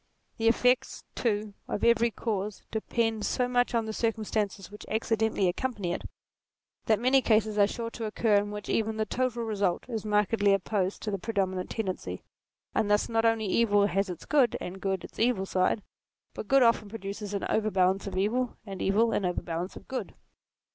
The effects too of every cause depend so much on the circumstances which acci dentally accompany it, that many cases are sure to occur in which even the total result is markedly opposed to the predominant tendency : and thus not only evil has its good and good its evil side, but good often produces an overbalance of evil and evil an overbalance of good.